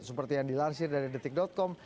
seperti yang dilansir dari detik com